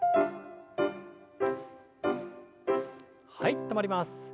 はい止まります。